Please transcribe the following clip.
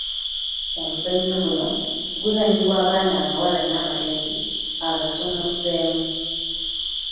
Omuzannyo guno guzannyiwa abaana abawala n'abalenzi abasuumuseemu.